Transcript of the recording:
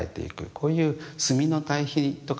こういう墨の対比とかですね